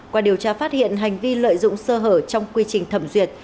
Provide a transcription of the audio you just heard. qua điều tra phát hiện hành vi lợi dụng sơ hở trong quy trình thẩm duyệt